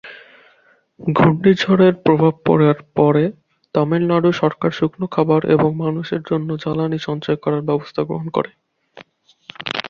ঘূর্ণিঝড়ের প্রভাব পড়ার পরে তামিলনাড়ু সরকার শুকনো খাবার এবং মানুষের জন্য জ্বালানি সঞ্চয় করার ব্যবস্থা গ্রহণ করে।